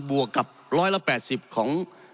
วกกับ๑๘๐ของ